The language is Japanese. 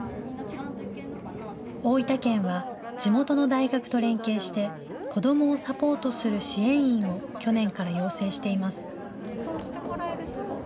大分県は地元の大学と連携して、子どもをサポートする支援員を去年から養成しています。